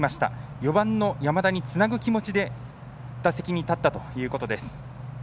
４番の山田につなぐ気持ちで打席に立ったということです。